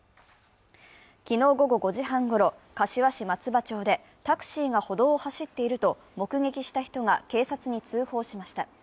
昨日午後５時半ごろ柏市松葉町でタクシーが歩道を走っていると目撃した人が警察に通報しました。